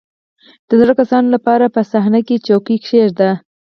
• د زړو کسانو لپاره په صحنه کې څوکۍ کښېږده.